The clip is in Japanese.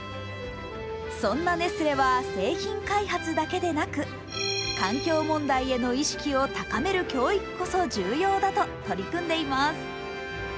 そんなネスレは製品開発だけではなく、環境問題への意識を高める教育こそ重要だと取り組んでいます。